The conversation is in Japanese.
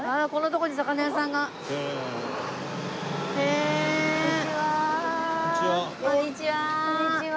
こんにちは。